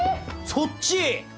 そっち！